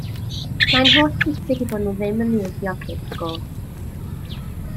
Mae'n holl bwysig eu bod nhw ddim yn ildio cic gosb.